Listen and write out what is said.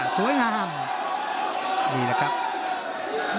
สวยงาม